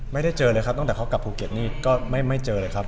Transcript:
ไม่ได้เจอเลยครับตั้งแต่เขากลับภูเก็ตนี่ก็ไม่เจอเลยครับ